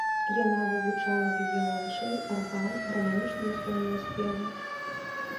Яна вывучала віяланчэль, арган, гарманічныя і сольныя спевы.